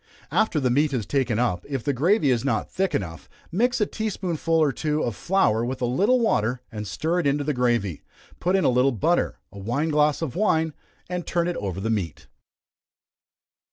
After the meat is taken up, if the gravy is not thick enough, mix a tea spoonful or two of flour with a little water, and stir it into the gravy; put in a little butter, a wine glass of wine, and turn it over the meat.